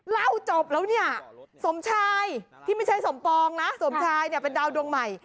เล่าจบแล้วเนี่ยสมชายที่ไม่ใช่สมปองนะสมชายเนี่ยเป็นดาวดวงใหม่